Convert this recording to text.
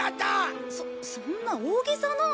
そそんな大げさな。